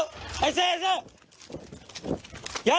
เจ้าแม่น้ำเจ้าแม่น้ำ